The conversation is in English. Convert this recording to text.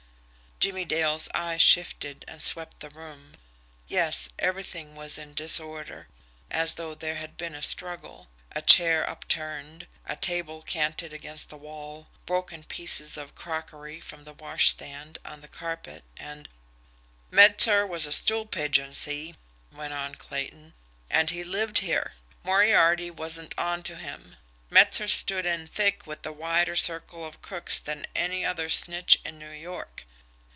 Jimmie Dale's eyes shifted and swept the room. Yes, everything was in disorder, as though there had been a struggle a chair upturned, a table canted against the wall, broken pieces of crockery from the washstand on the carpet, and "Metzer was a stool pigeon, see?" went on Clayton, "and he lived here. Moriarty wasn't on to him. Metzer stood in thick with a wider circle of crooks than any other snitch in New York."